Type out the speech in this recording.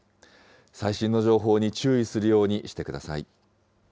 最新の情報に注意するようにしてください。